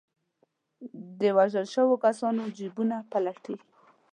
د وژل شوو کسانو جېبونه پلټي.